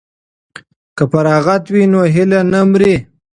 که فراغت وي نو هیله نه مري.